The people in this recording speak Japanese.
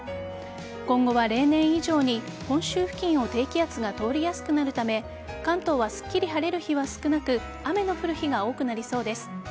今後は例年以上に本州付近を低気圧が通りやすくなるため関東はすっきり晴れる日は少なく雨の降る日が多くなりそうです。